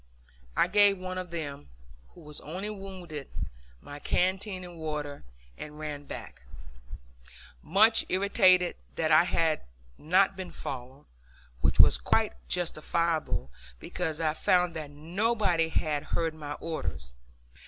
I gave one of them, who was only wounded, my canteen of water, and ran back, much irritated that I had not been followed which was quite unjustifiable, because I found that nobody had heard my orders.